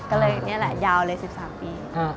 ก็เลยยาวเลย๑๓ปี